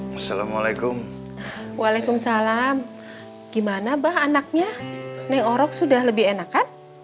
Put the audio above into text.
nek orok sudah lebih enakan